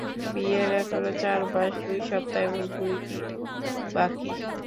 বিয়ের এখনো, চার মাস দুই সপ্তাহ এবং দুই দিন বাকী।